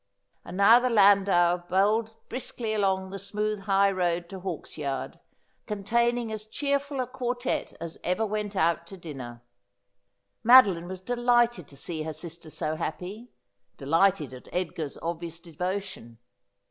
And now the landau bowled briskly along the smooth high road to Hawksyard, containing as cheerful a quartette as ever went out to dinner. Madeline was delighted to see her sister so happy, delighted at Edgar's obvious devotion.